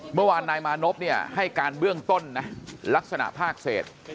เมื่อวานนายมานพเนี่ยให้การเบื้องต้นนะลักษณะภาคเศษ